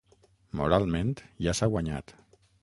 Moralment, ja s’ha guanyat.